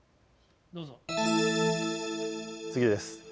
次です。